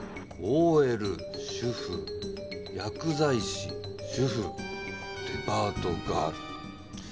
ＯＬ主婦薬剤師主婦デパートガール。